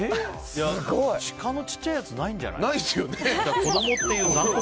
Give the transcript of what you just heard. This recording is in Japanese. シカのちっちゃいやつないんじゃない？